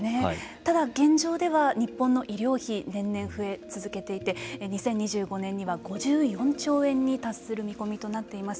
ただ、現状では日本の医療費年々増え続けていて２０２５年には５４兆円に達する見込みとなっています。